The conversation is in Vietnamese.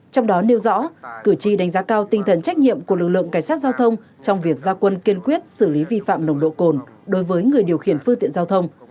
trong đó nêu rõ cử tri đánh giá cao tinh thần trách nhiệm của lực lượng cảnh sát giao thông trong việc gia quân kiên quyết xử lý vi phạm nồng độ cồn đối với người điều khiển phương tiện giao thông